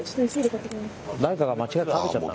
誰かが間違って食べちゃった。